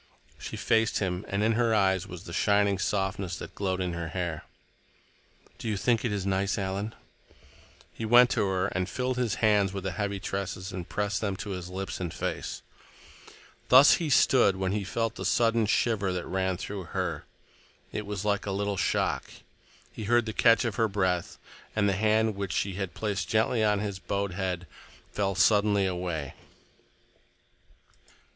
She faced him, and in her eyes was the shining softness that glowed in her hair. "Do you think it is nice, Alan?" He went to her and filled his hands with the heavy tresses and pressed them to his lips and face. Thus he stood when he felt the sudden shiver that ran through her. It was like a little shock. He heard the catch of her breath, and the hand which she had placed gently on his bowed head fell suddenly away.